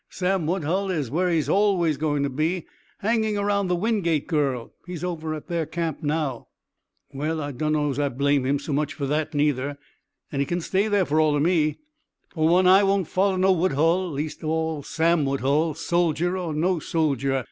"Sam Woodhull is where he's always going to be hanging around the Wingate girl. He's over at their camp now." "Well, I dunno's I blame him so much for that, neither. And he kin stay there fer all o' me. Fer one, I won't foller no Woodhull, least o' all Sam Woodhull, soldier or no soldier.